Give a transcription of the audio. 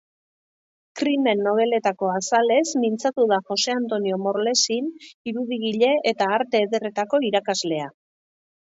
Krimen nobeletako azalez mintzatu da Jose Antonio Morlesin irudigile eta Arte Ederretako irakaslea.